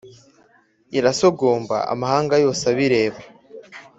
irasogomba amahanga, yose abireba